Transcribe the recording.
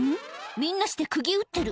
みんなしてくぎ打ってる。